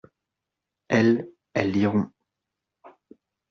Elles, elles liront.